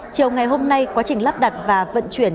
chiều ngày hôm nay quá trình lắp đặt và vận chuyển